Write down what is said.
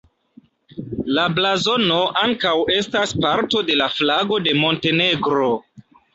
La blazono ankaŭ estas parto de la flago de Montenegro.